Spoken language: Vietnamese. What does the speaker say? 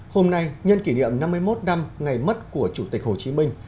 hôm nay nhân kỷ niệm năm mươi một năm ngày mất của chủ tịch hồ chí minh